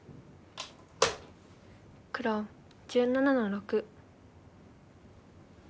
黒１７の六。